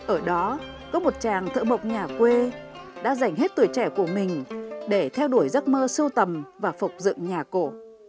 ở đó có một chàng thợ mộc nhà quê đã dành hết tuổi trẻ của mình để theo đuổi giấc mơ sưu tầm và phục dựng nhà cổ